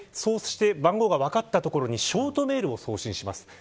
番号が分かったところにショートメールを送信します。